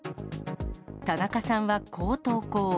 たなかさんは、こう投稿。